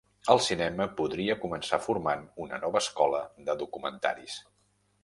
El cinema podria començar formant una nova escola de documentaris.